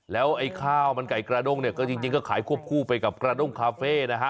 แล้วไอ้ข้าวมันไก่กระด้งเนี่ยก็จริงก็ขายควบคู่ไปกับกระด้งคาเฟ่นะฮะ